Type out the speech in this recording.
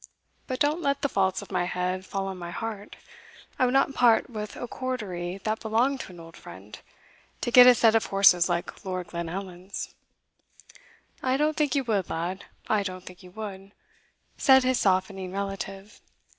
But don't let the faults of my head fall on my heart I would not part with a Cordery that belonged to an old friend, to get a set of horses like Lord Glenallan's." "I don't think you would, lad I don't think you would," said his softening relative.